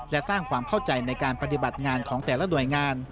และสร้างความเข้าใจในการปฏิบัติงานของแต่ละหน่วยงาน